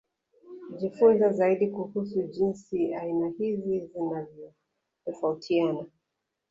Jifunze zaidi kuhusu jinsi aina hizi zinavyotofautiana